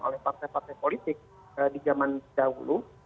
oleh partai partai politik di zaman dahulu